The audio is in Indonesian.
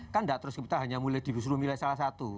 kan tidak terus kita hanya mulai di seluruh milai salah satu